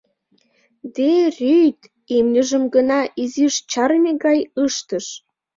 Де Рюйт имньыжым гына изиш чарыме гай ыштыш.